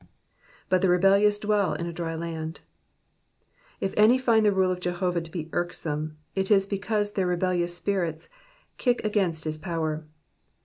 ''But the rebeUiovs dwell in a dry land,'^ If any find the rule of Jehovah to be irksome, it is because their rebellious spirits kick against his power.